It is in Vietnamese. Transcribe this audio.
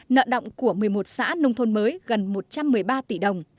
nợ động của một mươi một xã nông thôn mới gần một trăm một mươi ba tỷ đồng